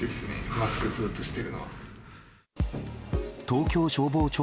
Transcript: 東京消防庁